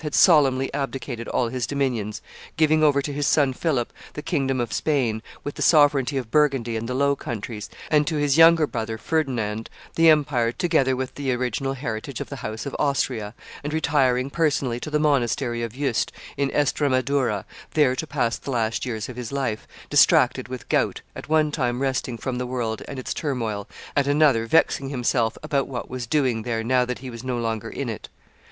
had solemnly abdicated all his dominions, giving over to his son Philip the kingdom of Spain, with the sovereignty of Burgundy and the Low Countries, and to his younger brother, Ferdinand, the empire together with the original heritage of the House of Austria, and retiring personally to the monastery of Yuste, in Estramadura, there to pass the last years of his life, distracted with gout, at one time resting from the world and its turmoil, at another vexing himself about what was doing there now that he was no longer in it.